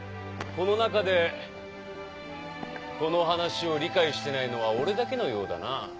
この中でこの話を理解してないのは俺だけのようだな。